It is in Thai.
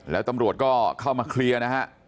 แล้วตำรวจก็เข้ามาเคลียร์นะฮะ